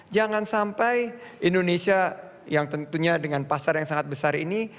jangan sampai indonesia yang tentunya dengan pasar yang sangat besar ini